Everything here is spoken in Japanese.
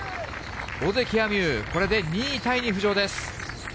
尾関彩美悠、これで２位タイに浮上です。